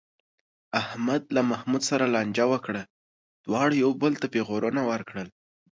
احمد له محمود سره لانجه وکړه، دواړو یو بل ته پېغورونه ورکړل.